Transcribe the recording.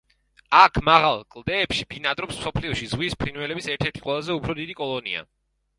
აქ მაღალ კლდეებში ბინადრობს მსოფლიოში ზღვის ფრინველების ერთ-ერთი ყველაზე უფრო დიდი კოლონია.